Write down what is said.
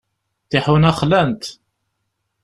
Tiḥuna xlant.